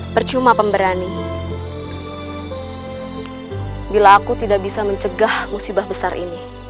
percuma pemberani bila aku tidak bisa mencegah musibah besar ini